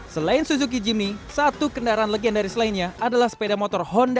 selain suzuki jimmy satu kendaraan legendaris lainnya adalah sepeda motor honda